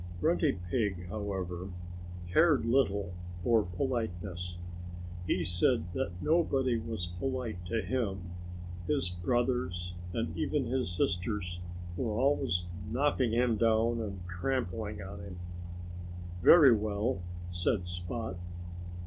Grunty Pig, however, cared little for politeness. He said that nobody was polite to him. His brothers and even his sisters were always knocking him down and trampling on him. "Very well!" said Spot.